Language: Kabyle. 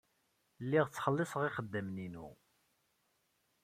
Lliɣ ttxelliṣeɣ ixeddamen-inu.